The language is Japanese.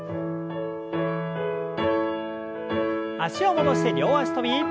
脚を戻して両脚跳び。